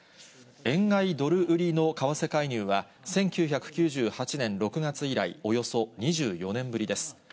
円買いドル売りの為替介入は、１９９８年６月以来、およそ２４年ぶりです。